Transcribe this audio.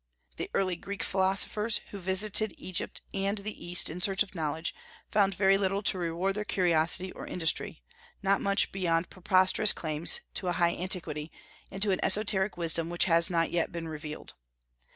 The early Greek philosophers who visited Egypt and the East in search of knowledge, found very little to reward their curiosity or industry, not much beyond preposterous claims to a high antiquity, and to an esoteric wisdom which has not yet been revealed.